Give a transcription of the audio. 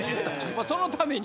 まぁそのために。